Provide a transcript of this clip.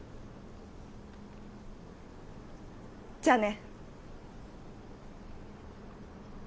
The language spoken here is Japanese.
じゃあね。